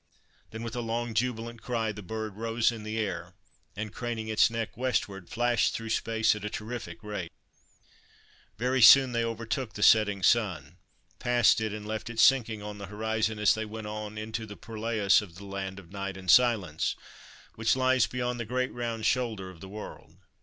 Then, with a long, jubilant cry the Bird rose in the air, and, craning its neck westward, flashed through space at a terrific rate. Very soon they overtook the setting sun, passed it, and left it sinking on the horizon as they went on into the purlieus of the Land of Night and Silence, which lies beyond the great round shoulder of the world.